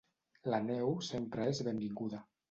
La neu sempre és benvinguda.